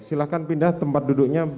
silahkan pindah tempat duduknya